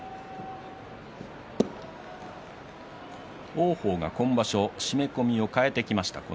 王鵬が今場所、締め込みを替えてきました。